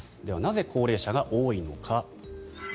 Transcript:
では、なぜ高齢者が多いのか。